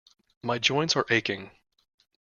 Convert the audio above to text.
My joints are aching.